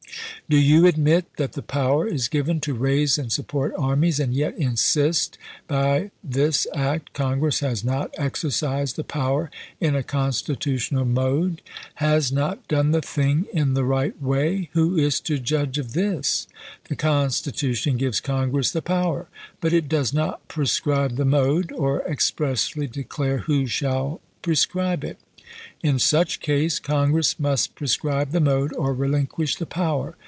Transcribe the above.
Do you admit that the power is given to raise and support armies, and yet insist that by this act Congress has not exercised the power in a constitutional mode ?— has not done 52 ABRAHAM LINCOLN chap. ii. the thing in the right way 1 Who is to judge of this ? The Constitution gives Congress the power, but it does not prescribe the mode, or expressly declare who shall prescribe it. In such case Congress must prescribe the mode, or relinquish the power.